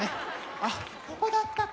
「あっここだったか」